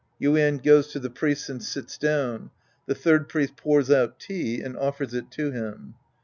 (Yuien goes to the Priests and sits down. The Third Priest pours out tea and offers it to him.)